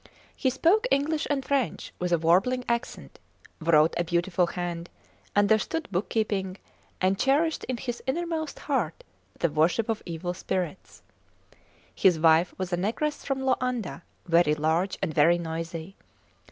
He spoke English and French with a warbling accent, wrote a beautiful hand, understood bookkeeping, and cherished in his innermost heart the worship of evil spirits. His wife was a negress from Loanda, very large and very noisy.